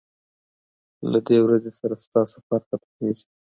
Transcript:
له دې ورځي سره ستا سفر ختمیږي